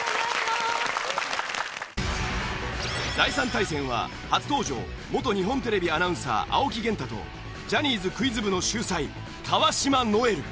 第３対戦は初登場元日本テレビアナウンサー青木源太とジャニーズクイズ部の秀才川島如恵留。